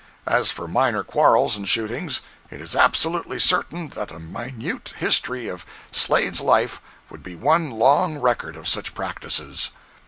As for minor quarrels and shootings, it is absolutely certain that a minute history of Slade's life would be one long record of such practices.